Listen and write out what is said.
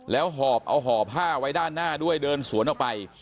แล้วหอบเอาห่อผ้าไว้ด้านหน้าด้วยเดินสวนออกไป